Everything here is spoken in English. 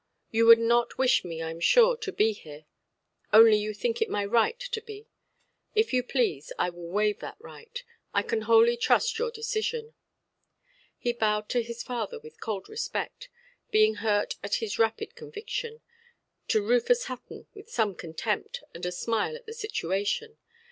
You would not wish me, I am sure, to be here; only you think it my right to be. If you please, I will waive that right; I can wholly trust your decision". He bowed to his father with cold respect, being hurt at his rapid conviction, to Rufus Hutton with some contempt and a smile at the situation.